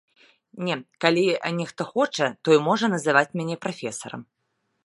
Не, калі нехта хоча, той можа называць мяне прафесарам.